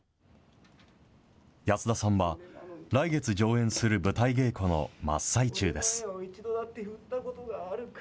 安田さんは、来月上演する舞台稽古の真っ最中です。